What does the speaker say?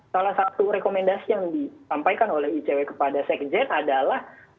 salah satu rekomendasi yang disampaikan oleh icw kepada sekjen adalah